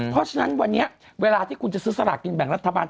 เพราะฉะนั้นวันนี้เวลาที่คุณจะซื้อสลากกินแบ่งรัฐบาล